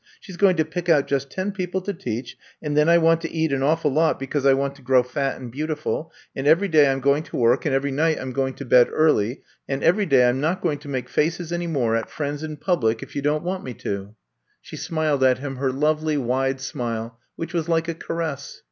She 's going to pick out just ten peo ple to teach, and then I want to eat an awful lot because I want to grow fat and beautiful. And every day I 'm going to work and every night I 'm going to bed early, and every day I 'm not going to make faces any more at friends in public 95 96 I'VE COMB TO STAY if you don't want me to." She smiled at him her lovely wide smile which was like a caress.